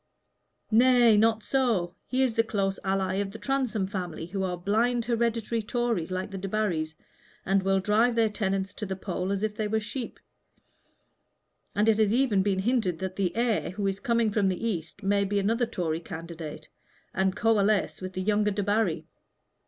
"Nay, not so. He is the close ally of the Transome family, who are blind hereditary Tories like the Debarrys, and will drive their tenants to the poll as if they were sheep, and it has even been hinted that the heir who is coming from the East may be another Tory candidate, and coalesce with the younger Debarry.